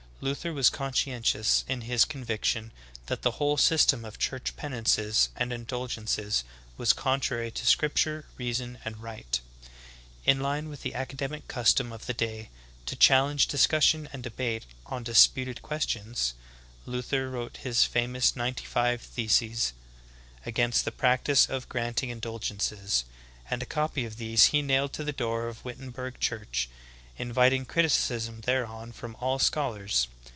Luther was conscientious in his conviction that the whole system of church penances and indulgences was contrary to scrip ture, reason, and right. In line with the academic custom of the day — to challenge discussion and debate on disputed questions — Luther wrote his famous ninety five theses against the practice of granting indulgences, and a copy of these he nailed to the door of Wittenberg church, invit ing criticism thereon from all scholars.